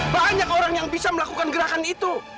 banyak orang yang bisa melakukan gerakan itu